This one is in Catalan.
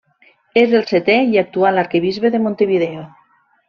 És el setè i actual arquebisbe de Montevideo.